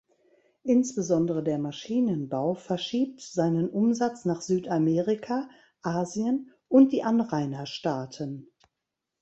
Insbesondere der Maschinenbau verschiebt seinen Umsatz nach Südamerika, Asien und die Anrainer-Staaten.